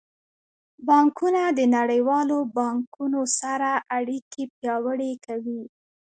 بانکونه د نړیوالو بانکونو سره اړیکې پیاوړې کوي.